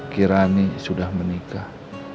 kirani sudah menikah